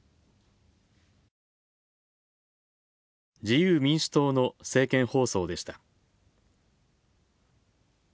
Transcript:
自由民主党の政見放送でした。